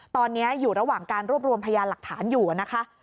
ตอนนี้อยู่ระหว่างการรวบรวมพยานหลักฐานอยู่นะคะ